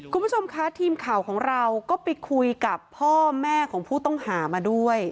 คุณผู้ชมคะทีมข่าวของเราก็ไปคุยกับพ่อแม่ของผู้ต้องหามาด้วย